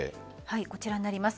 こちらになります。